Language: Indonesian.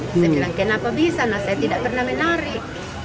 saya bilang kenapa bisa nah saya tidak pernah menarik